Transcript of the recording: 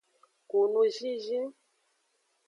Ku nuzinzin.